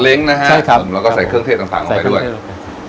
เล้งนะฮะใช่ครับแล้วก็ใส่เครื่องเทศต่างต่างลงไปด้วยใส่เครื่องเทศต่างต่าง